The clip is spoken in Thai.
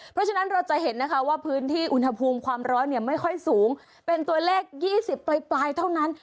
เพราะฉะนั้นเราจะเห็นนะคะว่าพื้นที่อุณหภูมิความร้อนเนี่ยไม่ค่อยสูงเป็นตัวเลข๒๐ปลายเท่านั้น